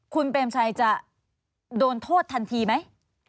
คุณเปรมชัยจะโดนโทษทันทีไหม